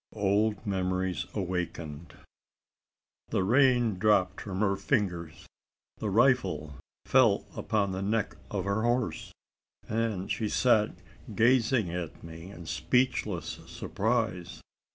OLD MEMORIES AWAKENED. The rein dropped from her fingers the rifle fell upon the neck of her horse, and she sat gazing at me in speechless surprise.